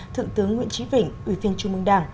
thượng tướng nguyễn trí vĩnh ủy viên trung mương đảng